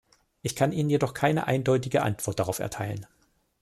Ich kann Ihnen jedoch keine eindeutige Antwort darauf erteilen.